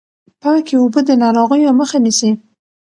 پاکې اوبه د ناروغیو مخه نیسي۔